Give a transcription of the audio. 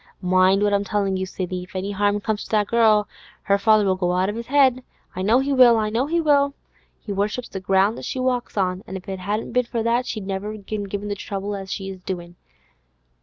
Mind what I'm tellin' you, Sidney; if any 'arm comes to that girl, her father'll go out of his 'ead. I know he will! I know he will! He worships the ground as she walks on, an' if it hadn't been for that, she'd never have given him the trouble as she is doin'.